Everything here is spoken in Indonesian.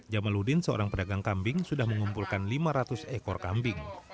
jamaludin seorang pedagang kambing sudah mengumpulkan lima ratus ekor kambing